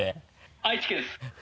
愛知県です。